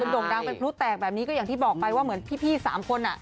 โด่งดังเป็นพลุแตกแบบนี้ก็อย่างที่บอกไปว่าเหมือนพี่๓คน